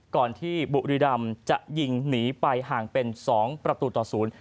ก่อนที่บุรีรำจะยิงหนีไปห่างเป็น๒ประตูต่อศูนย์